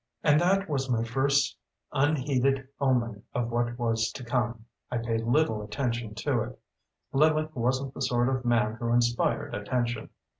And that was my first unheeded omen of what was to come. I paid little attention to it. Lillick wasn't the sort of man who inspired attention.